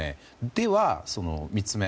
では、３つ目。